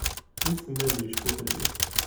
Wissen ma ad icfu fell-i?